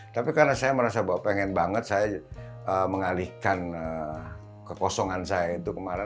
tapi karena saya merasa bahwa pengen banget saya mengalihkan kekosongan saya itu kemarin